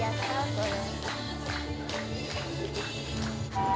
これ。